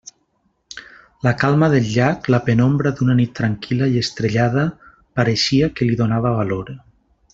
La calma del llac, la penombra d'una nit tranquil·la i estrellada, pareixia que li donava valor.